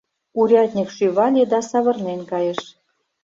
Урядник шӱвале да савырнен кайыш.